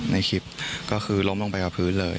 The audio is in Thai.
ในคลิปก็คือล้มลงไปกับพื้นเลย